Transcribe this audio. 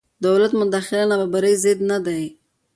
دولت مداخله نابرابرۍ ضد نه دی.